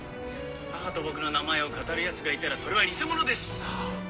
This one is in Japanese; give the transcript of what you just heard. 母と僕の名前をかたるやつがいたらそれは偽者です！